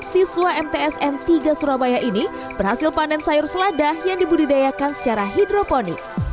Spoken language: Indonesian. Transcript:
siswa mtsm tiga surabaya ini berhasil panen sayur seladah yang dibudidayakan secara hidroponik